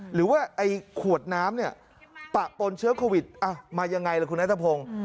หรือว่าขวดน้ำปะปนเชื้อโควิดมาอย่างไรล่ะคุณแอธะพง